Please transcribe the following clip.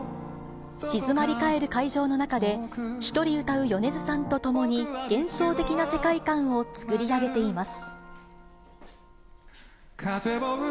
静まり返る会場の中で、一人歌う米津さんとともに、幻想的な世界観を作り上げています。